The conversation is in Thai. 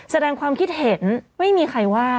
แสดงความคิดเห็นไม่มีใครว่า